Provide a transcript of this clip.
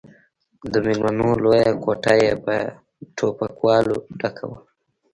د ميلمنو لويه کوټه يې په ټوپکوالو ډکه وه.